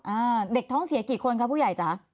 อ่าเด็กท้องเสียกี่คนคะผู้ใหญ่จ๋า